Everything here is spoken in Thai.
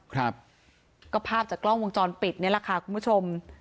ครับก็ภาพจากกล้องวงจรปิดนี่แหละค่ะคุณผู้ชม